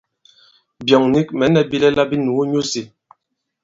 Byɔ̂ŋ nik mɛ̌ nɛ̄ bilɛla bī nùu nyu isī.